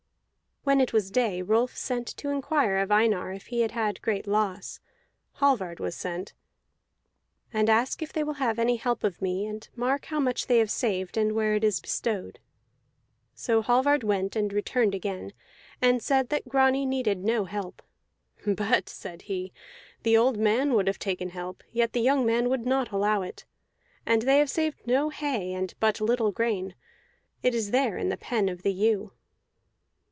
When it was day Rolf sent to inquire of Einar if he had had great loss; Hallvard was sent. "And ask if they will have any help of me; and mark how much they have saved and where it is bestowed." So Hallvard went and returned again, and said that Grani needed no help. "But," said he, "the old man would have taken help, yet the young man would not allow it. And they have saved no hay, and but little grain; it is there in the pen of the ewe."